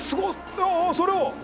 あそれを！